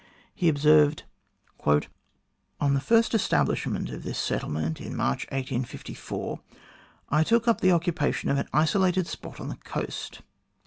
He observed :" On the first establishment of this settlement, in March 1854, I took up the occupation of an isolated spot on the coast.